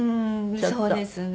そうですね。